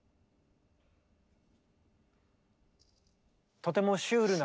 とてもシュールな。